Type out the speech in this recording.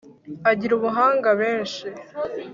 agira ubuhanga benshi